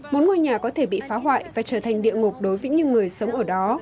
một ngôi nhà có thể bị phá hoại và trở thành địa ngục đối với những người sống ở đó